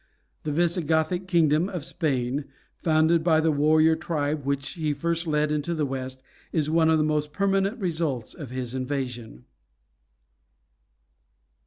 The Visigothic kingdom of Spain, founded by the warrior tribe which he first led into the West, is one of the most permanent results of his invasion.